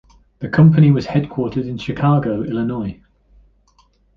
The company was headquartered in Chicago, Illinois.